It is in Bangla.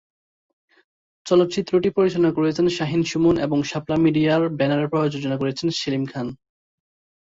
চলচ্চিত্রটি পরিচালনা করেছেন শাহীন সুমন এবং শাপলা মিডিয়ার ব্যানারে প্রযোজনা করেছেন সেলিম খান।